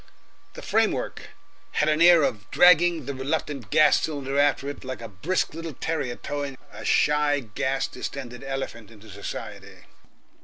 The framework had an air of dragging the reluctant gas cylinder after it like a brisk little terrier towing a shy gas distended elephant into society.